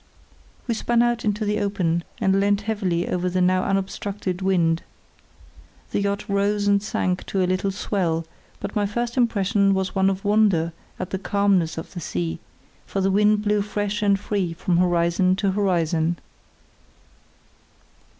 We spun out into the open and leant heavily over to the now unobstructed wind. The yacht rose and sank to a little swell, but my first impression was one of wonder at the calmness of the sea, for the wind blew fresh and free from horizon to horizon.